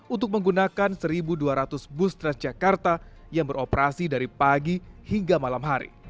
untuk menggunakan satu dua ratus bus transjakarta yang beroperasi dari pagi hingga malam hari